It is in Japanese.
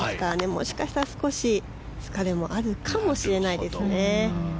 もしかしたら少し疲れもあるかもしれないですね。